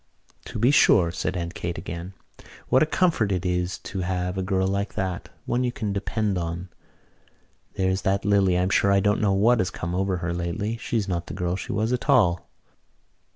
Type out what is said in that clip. "To be sure," said Aunt Kate again. "What a comfort it is to have a girl like that, one you can depend on! There's that Lily, I'm sure I don't know what has come over her lately. She's not the girl she was at all."